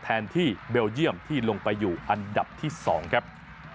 แทนที่เบลเยี่ยมที่ลงไปอยู่อันดับที่๒ครับ